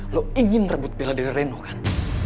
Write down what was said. lo ingin rebut bella dari reno kan